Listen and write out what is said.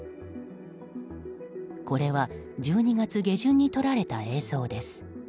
これは１２月下旬に撮られた映像です。